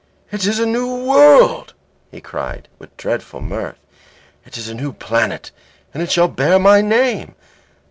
"It is a new world," he cried, with a dreadful mirth. "It is a new planet and it shall bear my name.